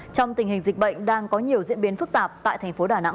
trong tình hình dịch bệnh đang có nhiều diễn biến phức tạp tại thành phố đà nẵng